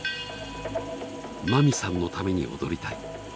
まみさんのために踊りたい。